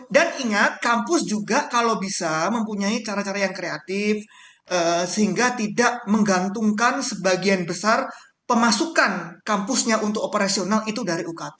dan ingat kampus juga kalau bisa mempunyai cara cara yang kreatif sehingga tidak menggantungkan sebagian besar pemasukan kampusnya untuk operasional itu dari ukt